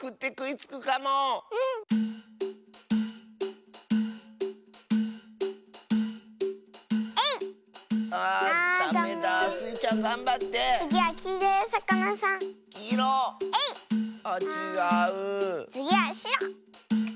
つぎはしろ。